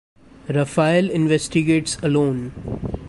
Raphael investigates alone.